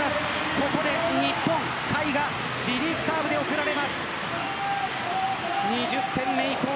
ここで日本、甲斐がリリーフサーブで送られます。